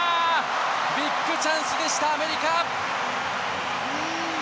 ビッグチャンスでした、アメリカ。